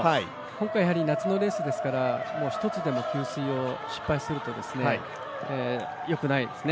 今回やはり夏のレースですから、一つでも給水を失敗するとよくないですね